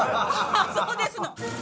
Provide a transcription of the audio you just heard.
あぁそうですの。